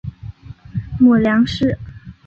母梁氏。